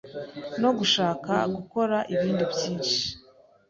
no gushaka gukora ibindi byinshi